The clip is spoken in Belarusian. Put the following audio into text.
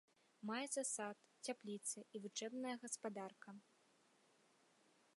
Маецца сад, цяпліца і вучэбная гаспадарка.